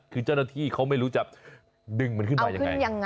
คือเจ้าหน้าที่เขาไม่รู้จะดึงมันขึ้นมายังไง